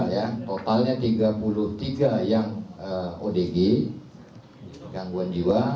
tiga puluh tiga ya totalnya tiga puluh tiga yang odg gangguan jiwa